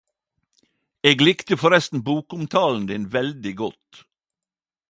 Eg likte forresten bokomtalen din veldig godt!...